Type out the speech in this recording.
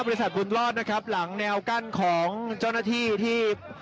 บริษัทบุญรอดนะครับหลังแนวกั้นของเจ้าหน้าที่ที่